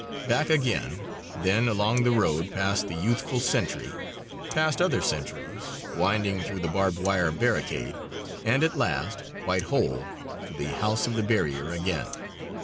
Back again, then, along the road, past the youthful sentry, past other sentries, winding through the barbed wire barricade, and at last, quite whole, to the House of the Barrier again.